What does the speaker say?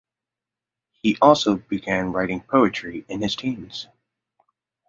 He also began writing poetry in his teens.